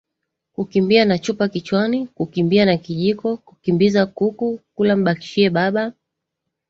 Kukimbia na chupa kichwani Kukimbia na kijiko Kukimbiza kuku Kula mbakishiebaba